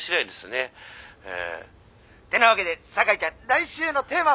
「てなわけで酒井ちゃん来週のテーマは？」。